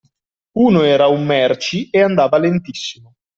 Uno era un merci e andava lentissimo.